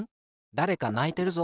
だれかないてるぞ。